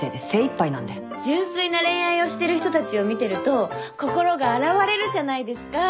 純粋な恋愛をしてる人たちを見てると心が洗われるじゃないですか。